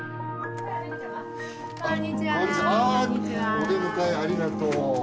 お出迎えありがとう！